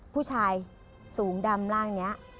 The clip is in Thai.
ผู้ชายสูงดำร่างนี้